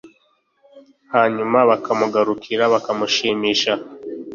Hanyuma bukamugarukira, bukamushimisha,